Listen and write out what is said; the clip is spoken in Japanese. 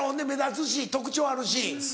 目立つし特徴あるし。